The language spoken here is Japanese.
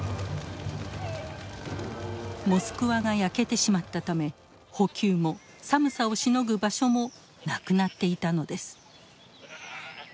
モスクワが焼けてしまったため補給も寒さをしのぐ場所もなくなっていたのです。